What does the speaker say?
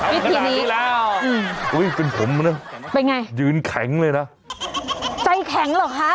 ขนาดนี้แล้วอุ้ยเป็นผมนะเป็นไงยืนแข็งเลยนะใจแข็งเหรอคะ